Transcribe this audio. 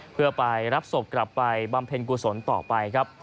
เพื่อไปรับศพกลับไปบำเพ็ญกุศลต่อไปครับ